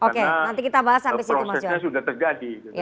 karena prosesnya sudah terjadi